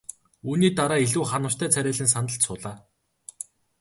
Үүний дараа илүү ханамжтай царайлан сандалд суулаа.